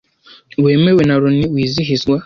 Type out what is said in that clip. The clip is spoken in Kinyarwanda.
wemewe na Loni wizihizwa